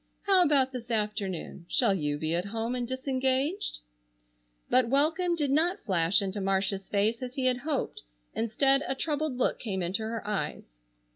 "How about this afternoon? Shall you be at home and disengaged?" But welcome did not flash into Marcia's face as he had hoped. Instead a troubled look came into her eyes.